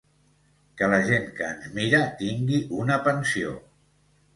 Que la gent que ens mira tingui una pensió.